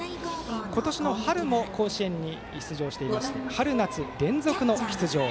今年の春も甲子園に出場していまして春夏連続の出場。